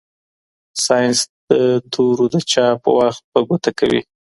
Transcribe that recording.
ساینس د تورو د چاپ وخت په ګوته کوي.